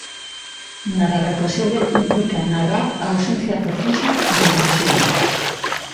Narrar o posible implica narrar a ausencia forzosa do imposible.